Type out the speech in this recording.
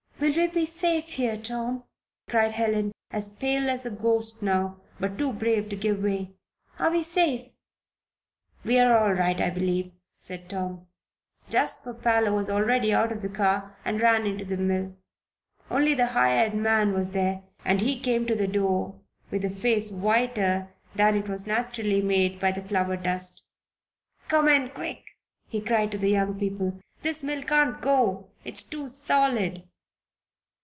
"Will we be safe here, Tom?" cried Helen, as pale as a ghost now, but too brave to give way. "Are we safe?" "We're all right, I believe," said Tom. Jasper Parloe was already out of the car and ran into the mill. Only the hired man was there, and he came to the door with a face whiter than it was naturally made by the flour dust. "Come in, quick!" he cried to the young people. "This mill can't go it's too solid."